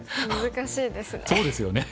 難しいですね。